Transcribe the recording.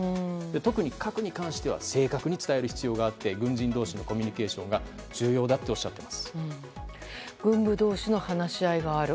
特に、核に関しては正確に伝える必要があって軍人同士のコミュニケーションが軍部同士の話し合いがある。